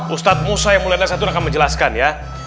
ustadz musa yang mulai dari saat itu akan menjelaskan ya